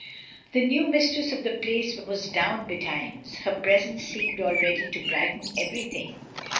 The new mistress of the Place was down betimes; her presence seemed already to brighten everything.